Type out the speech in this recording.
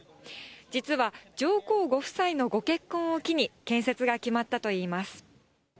実は、上皇ご夫妻のご結婚を機に、建設が決まったといいます。